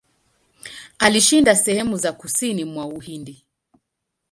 Alishinda sehemu za kusini mwa Uhindi.